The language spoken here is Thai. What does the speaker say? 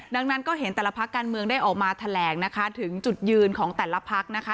ดังนั้นก็เห็นแต่ละพักการเมืองได้ออกมาแถลงนะคะถึงจุดยืนของแต่ละพักนะคะ